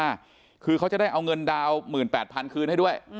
คือเขาจะได้เอาเงินดาว๑๘๐๐๐คืนให้ด้วย